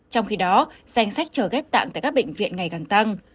trong khi đó danh sách chờ ghép tạng tại các bệnh viện ngày càng tăng